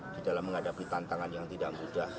di dalam menghadapi tantangan yang tidak mudah